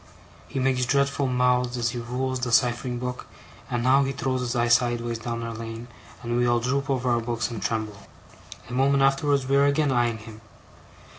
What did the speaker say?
He makes dreadful mouths as he rules the ciphering book; and now he throws his eye sideways down our lane, and we all droop over our books and tremble. A moment afterwards we are again eyeing him.